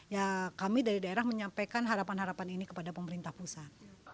ya kami dari daerah menyampaikan harapan harapan ini kepada pemerintah pusat